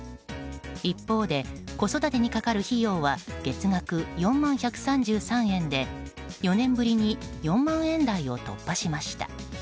一方で子育てにかかる費用は月額４万１３３円で４年ぶりに４万円台を突破しました。